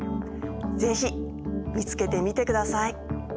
是非見つけてみてください。